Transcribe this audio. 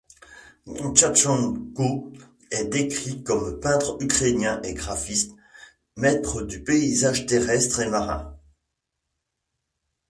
Tkatchenko est décrit comme peintre ukrainien et graphiste, maître du paysage terrestre et marin.